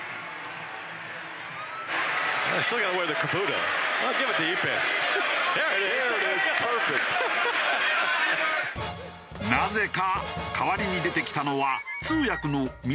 なぜか代わりに出てきたのは通訳の水原一平さん。